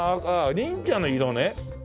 忍者の色ね。